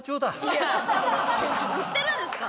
売ってるんですか？